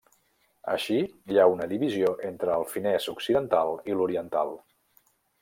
Així, hi ha una divisió entre el finès occidental i l'oriental.